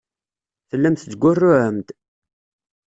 Tellam tettgurruɛem-d.